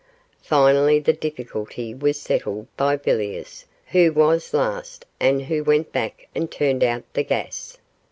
Finally the difficulty was settled by Villiers, who was last, and who went back and turned out the gas.